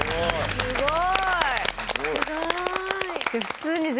すごい。